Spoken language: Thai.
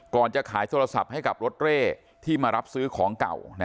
จะขายโทรศัพท์ให้กับรถเร่ที่มารับซื้อของเก่า